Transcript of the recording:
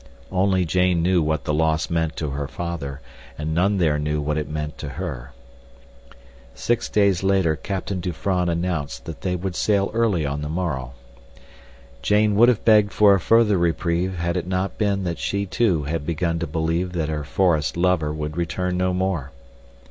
Only Jane knew what the loss meant to her father, and none there knew what it meant to her. Six days later Captain Dufranne announced that they would sail early on the morrow. Jane would have begged for a further reprieve, had it not been that she too had begun to believe that her forest lover would return no more.